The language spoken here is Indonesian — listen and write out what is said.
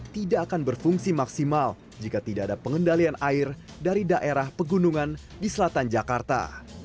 tidak akan berfungsi maksimal jika tidak ada pengendalian air dari daerah pegunungan di selatan jakarta